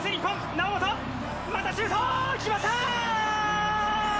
猶本、またシュート、決まった！